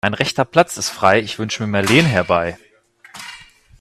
Mein rechter Platz ist frei, ich wünsche mir Marleen herbei.